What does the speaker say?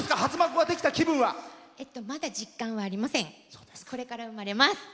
これから実感が生まれます。